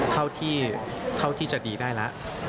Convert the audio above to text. เท่าที่จะดีได้แล้ว